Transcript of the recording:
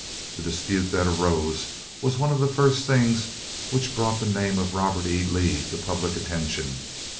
The dispute that arose was one of the first things which brought the name of Robert E. Lee to public attention.